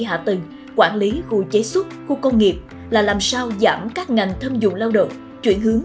hạ tầng quản lý khu chế xuất khu công nghiệp là làm sao giảm các ngành thâm dụng lao động chuyển hướng